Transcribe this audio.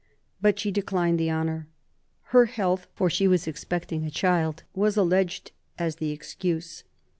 But she declined the honour. Her health, for she was expecting a child, was alleged as the excuse.